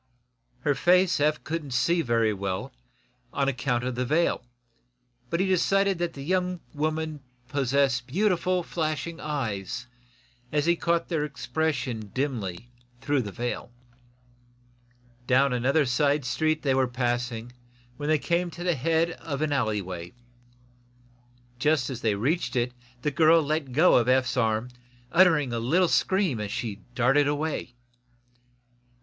Her face Eph couldn't see very well, on account of the veil, but he decided that the young woman possessed beautiful, flashing eyes, as he caught their expression dimly through the veil. Down another quiet side street they were passing, when they came to the head of an alley way. Just as they reached it the girl let go of Eph's arm, uttering a little scream as she darted away.